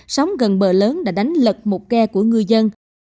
sống gần bờ lớn đã đánh lật một ghe của ngư dân